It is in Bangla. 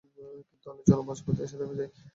কিন্তু আলোচনা মাঝপথে এসে থেমে যায়।